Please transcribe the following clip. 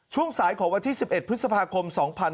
ช่วงสายของวันที่๑๑พฤษภาคม๒๕๕๙